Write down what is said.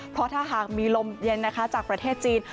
เพราะถ้ามีลมเย็นจากประเทศจีน